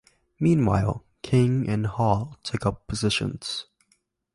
Meanwhile, King and Hall took up positions.